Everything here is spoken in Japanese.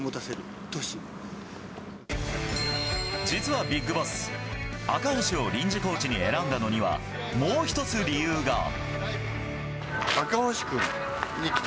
実はビッグボス赤星を臨時コーチに選んだのにはもう１つ理由が。